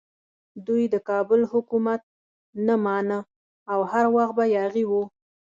دوی د کابل حکومت نه مانه او هر وخت به یاغي وو.